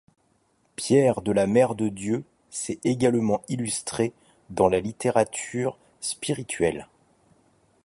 Pierre de la Mère de Dieu s'est également illustré dans la littérature spirituelle.